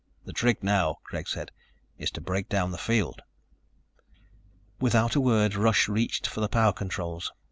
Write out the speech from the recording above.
"The trick now," Greg said, "is to break down the field." Without a word, Russ reached for the power controls.